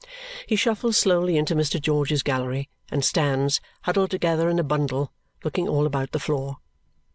He shuffles slowly into Mr. George's gallery and stands huddled together in a bundle, looking all about the floor.